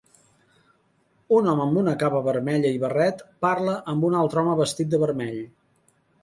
Un home amb una capa vermella i barret parla amb un altre home vestit de vermell.